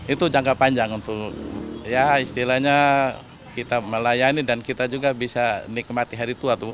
itu jangka panjang untuk ya istilahnya kita melayani dan kita juga bisa nikmati hari tua tuh